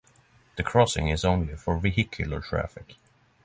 The crossing is only for vehicular traffic.